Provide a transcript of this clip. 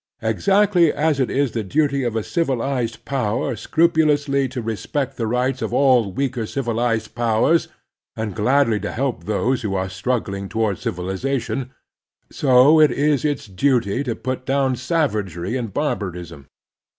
Exactly as it is the duty of a civil ized power scrupulously to respect the rights of all weaker civilized powers and gladly to help those who are struggling toward civilization, so it is its duty to put down savagery and barbarism.